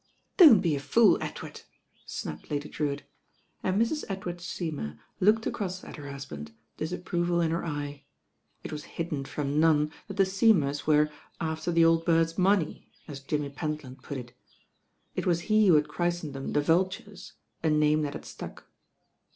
"Don't be a fool, Edward," snapped Lady Drewitt; and Mrs. Edward Seymour looked across at her husband, disapproval in her eye. It was hid den from none that the Seymours were "after the old bird's money," as Jimmy Pentland put it. It was he who had christened them "the Vultures," a name that had stuck.